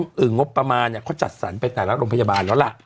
แต่ถ้าถามว่างงบประมาณเขาจัดสรรไปแต่ละโรงพยาบาลแล้วล่ะ